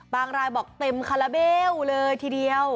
รายบอกเต็มคาราเบลเลยทีเดียว